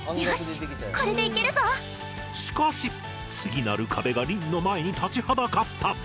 しかし次なる壁がりんの前に立ちはだかった！